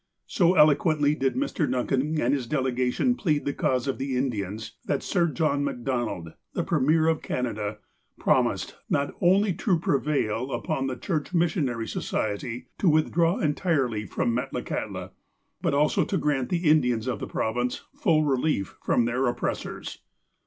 So eloquently did Mr. Duncan and this delegation plead the cause of the Indians, that Sir John Macdonald, then Premier of Canada, promised, not only to prevail upon the Church Missionary Society to withdraw entirely from Metlakahtla, but also to grant the Indians of the Province full relief from their oppressors.